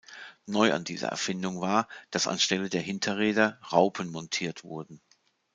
Neu an dieser Erfindung war, dass anstelle der Hinterräder Raupen montiert wurden.